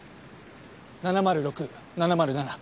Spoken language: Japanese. ７０６７０７。